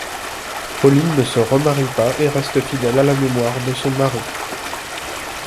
Pauline ne se remarie pas et reste fidèle à la mémoire de son mari.